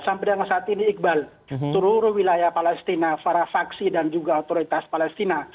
sampai dengan saat ini iqbal seluruh wilayah palestina para faksi dan juga otoritas palestina